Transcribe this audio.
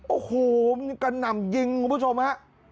โอ้โหมันกระหน่ำยิงคุณผู้ชมฮะ